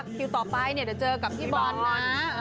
คิวต่อไปเนี่ยเดี๋ยวเจอกับพี่บอลนะ